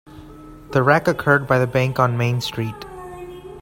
The wreck occurred by the bank on Main Street.